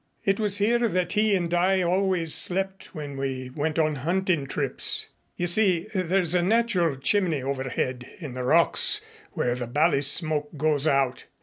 It was here that he and I always slept when we went on hunting trips. You see there's a natural chimney overhead in the rocks where the bally smoke goes out.